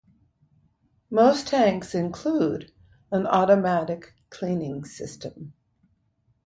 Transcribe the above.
Most tanks include an automatic cleaning system.